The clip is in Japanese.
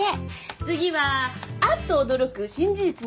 次はあっと驚く新事実の判明。